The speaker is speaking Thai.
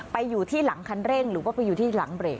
ไปอยู่ที่หลังคันเร่งหรือว่าไปอยู่ที่หลังเบรก